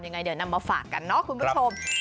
ยังไงเดี๋ยวนำมาฝากกันเนาะคุณผู้ชม